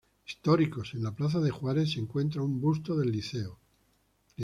Históricos.- En la plaza de Juárez se encuentra un busto del Lic.